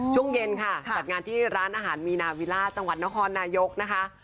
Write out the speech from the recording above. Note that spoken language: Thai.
ช่วงเย็นค่ะจัดงานที่ร้านอาหารมีนาวิล่าจังหวัดนครนายกนะคะ